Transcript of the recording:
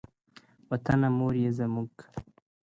وطنه مور یې زموږ.